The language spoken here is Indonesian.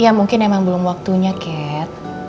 ya mungkin emang belum waktunya cat